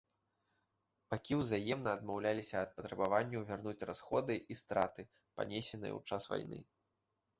Бакі ўзаемна адмаўляліся ад патрабаванняў вярнуць расходы і страты, панесеныя ў час вайны.